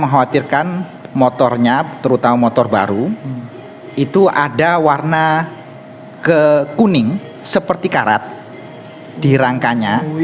mengkhawatirkan motornya terutama motor baru itu ada warna ke kuning seperti karat di rangkanya